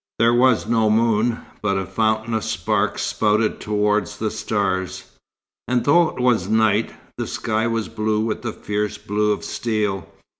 There was no moon, but a fountain of sparks spouted towards the stars; and though it was night, the sky was blue with the fierce blue of steel.